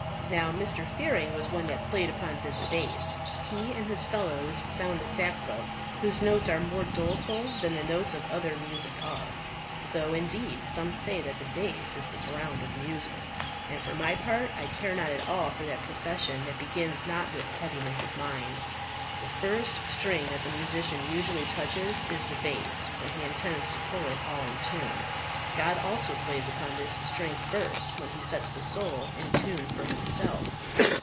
Now, Mr. Fearing was one that played upon this base. He and his fellows sound the sackbut, whose notes are more doleful than the notes of other music are. Though, indeed, some say that the base is the ground of music. And, for my part, I care not at all for that profession that begins not with heaviness of mind. The first string that the musician usually touches is the base when he intends to put all in tune. God also plays upon this string first when He sets the soul in tune for Himself.